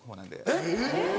えっ！